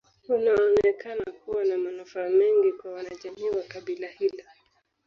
Unaonekana kuwa na manufaa mengi kwa wanajamii wa kabila hilo